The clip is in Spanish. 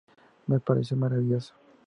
Me pareció maravilloso.